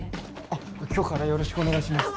あっ今日からよろしくお願いします。